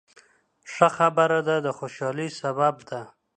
ښه خبره د خوشحالۍ سبب ده.